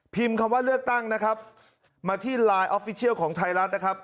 คำว่าเลือกตั้งนะครับมาที่ไลน์ออฟฟิเชียลของไทยรัฐนะครับ